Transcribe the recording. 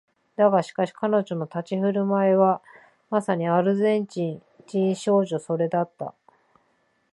だがしかし彼女の立ち居振る舞いはまさにアルゼンチン人少女のそれだった